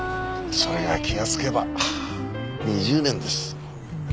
それが気がつけば２０年です。